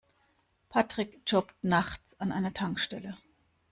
Patrick jobbt nachts an einer Tankstelle.